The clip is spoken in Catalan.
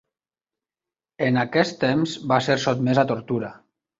En aquest temps va ser sotmès a tortura.